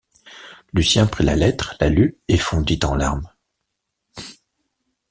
Lucien prit la lettre, la lut et fondit en larmes.